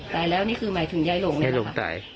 ตายแล้วนี่คือหมายถึงยายลูกเนี่ยครับ